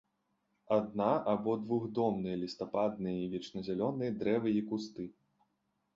Адна- або двухдомныя лістападныя і вечназялёныя дрэвы і кусты.